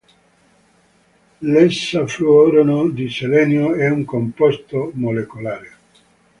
L'esafluoruro di selenio è un composto molecolare.